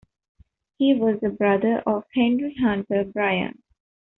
He was a brother of Henry Hunter Bryan.